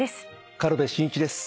軽部真一です。